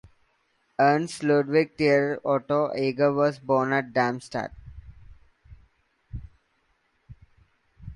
Ernst Ludwig Theodor Otto Eger was born at Darmstadt.